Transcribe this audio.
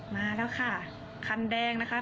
มาแล้วค่ะคันแดงนะคะ